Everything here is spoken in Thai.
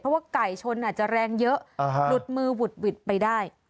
เพราะว่าไก่ชนอาจจะแรงเยอะหลุดมือหวุดหวิดไปได้